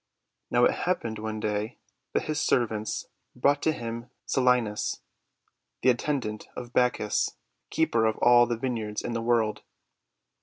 Now it happened, one day, that his servants brought to him Silenus, the attendant of Bacchus, Keeper of All the Viney ards in the World